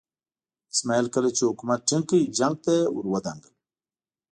اسماعیل کله چې حکومت ټینګ کړ جنګ ته ور ودانګل.